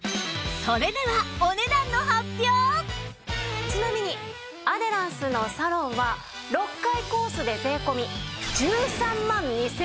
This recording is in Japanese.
それではちなみにアデランスのサロンは６回コースで税込１３万２０００円でしたが。